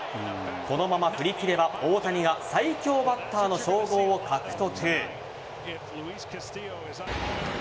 このまま振り切れば大谷が最強バッターの称号を獲得。